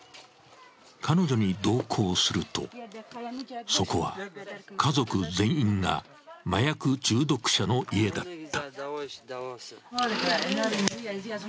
彼女に同行すると、そこは家族全員が麻薬中毒者の家だった。